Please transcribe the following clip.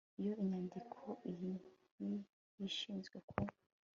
Iyo inyandiko iyi n iyi ishyizwe ku